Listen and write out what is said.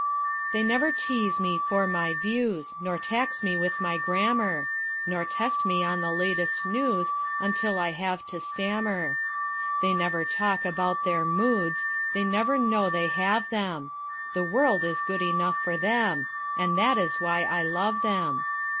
They never tease me for my views, Nor tax me with my grammar; Nor test me on the latest news, Until I have to stammer. They never talk about their "moods," They never know they have them; The world is good enough for them, And that is why I love them.